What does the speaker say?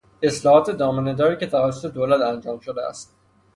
اصلاحات دامنه داری که توسط دولت انجام شده است